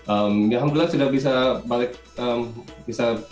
alhamdulillah sudah bisa balik bisa